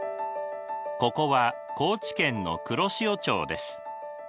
ここは高知県の黒潮町です。